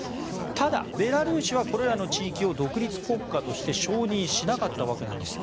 ただ、ベラルーシはこれらの地域を独立国家として承認しなかったわけです。